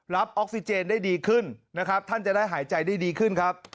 ออกซิเจนได้ดีขึ้นนะครับท่านจะได้หายใจได้ดีขึ้นครับ